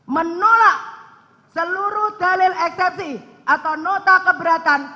menolak seluruh dalil eksepsi atau nota keberatan